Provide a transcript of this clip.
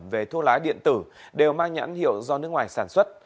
về thuốc lá điện tử đều mang nhãn hiệu do nước ngoài sản xuất